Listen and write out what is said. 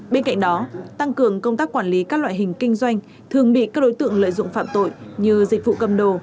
bên cạnh đó tăng cường công tác quản lý các loại hình kinh doanh thường bị các đối tượng lợi dụng phạm tội như dịch vụ cầm đồ